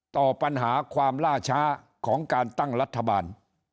ต่อปัญหาความล่าช้าของการตั้งรัฐบาล